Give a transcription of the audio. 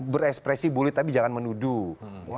berekspresi boleh tapi jangan menuduh